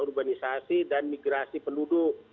urbanisasi dan migrasi penduduk